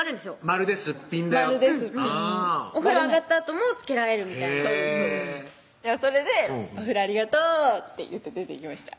「まるですっぴん」お風呂上がったあとも付けられるみたいなそれで「お風呂ありがとう」って言って出ていきました